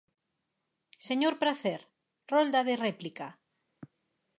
Señor Pracer, rolda de réplica.